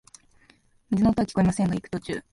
水の音はきこえませんが、行く途中、